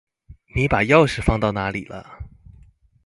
你把钥匙放到哪里了？